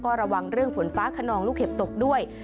ระวังเรื่องฝนฟ้าขนองลูกเห็บตกด้วย